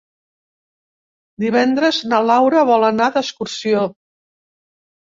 Divendres na Laura vol anar d'excursió.